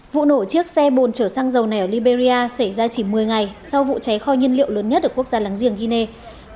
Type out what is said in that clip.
vụ nổ chiếc xe bồn chở xăng dầu này ở liberia xảy ra chỉ một mươi ngày sau vụ cháy kho nhân liệu lớn nhất ở quốc gia láng giềng guinea